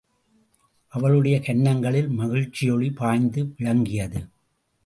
அவளுடைய கன்னங்களில் மகிழ்ச்சியொளி பாய்ந்து விளங்கியது.